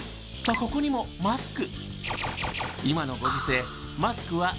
ここにもマスク。